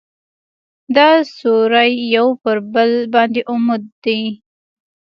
دا سوري یو پر بل باندې عمود دي.